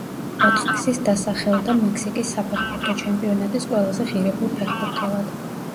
ოთხგზის დასახელდა მექსიკის საფეხბურთო ჩემპიონატის ყველაზე ღირებულ ფეხბურთელად.